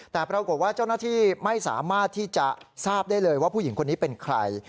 แต่ปรากฏว่าเจ้าหน้าที่ไม่สามารถที่จะทราบได้เลยว่าผู้หญิงคนนี้เป็นใคร